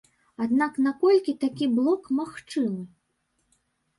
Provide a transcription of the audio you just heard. Аднак наколькі такі блок магчымы?